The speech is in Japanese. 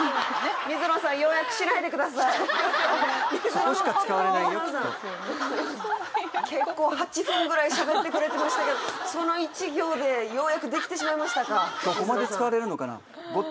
そこしか使われないよきっと結構８分ぐらいしゃべってくれてましたけどその１行で要約できてしまいましたか